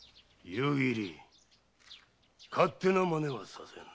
夕霧勝手な真似はさせぬ。